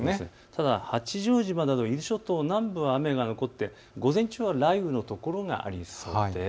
ただ八丈島など伊豆諸島南部は雨が残って午前中は雷雨の所がありそうです。